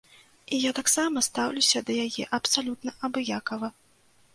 І я таксама стаўлюся да яе абсалютна абыякава.